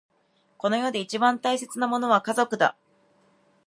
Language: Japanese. この世で一番大切なものは家族だ。